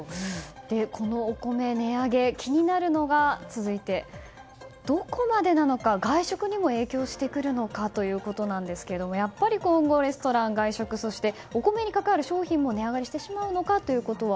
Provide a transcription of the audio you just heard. お米値上げ気になるのがどこまでなのか外食にも影響してくるのかということですがやっぱり今後レストラン、外食そしてお米に関わる商品も値上げするのか。